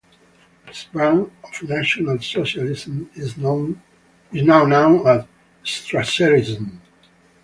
His brand of National Socialism is now known as Strasserism.